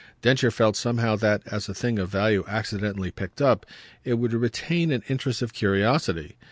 Densher felt somehow that, as a thing of value accidentally picked up, it would retain an interest of curiosity.